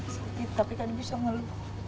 sakit tapi kan bisa melulu